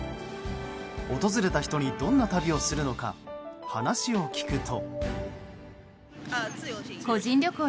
訪れた人にどんな旅をするのか話を聞くと。